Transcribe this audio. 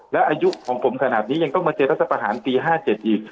และอายุของผมขนาดนี้ยังต้องมาเจอรัฐประหารปี๕๗อีก